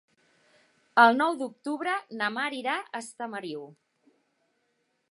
El nou d'octubre na Mar irà a Estamariu.